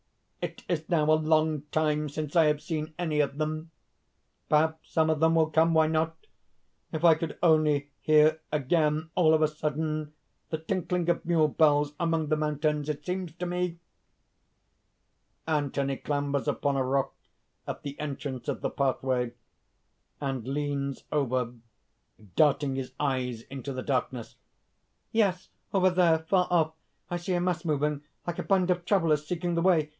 "It is now a long time since I have seen any of them! Perhaps some of them will come! why not? If I could only hear again, all of a sudden, the tinkling of mule bells among the mountains. It seems to me...." (Anthony clambers upon a rock at the entrance of the pathway, and leans over, darting his eyes into the darkness.) "Yes! over there, far off I see a mass moving, like a band of travellers seeking the way.